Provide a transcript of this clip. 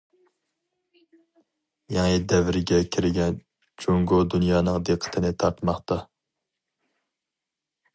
. يېڭى دەۋرگە كىرگەن جۇڭگو دۇنيانىڭ دىققىتىنى تارتماقتا.